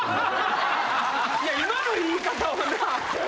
いや今の言い方はな。